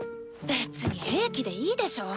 別に兵器でいいでしょ。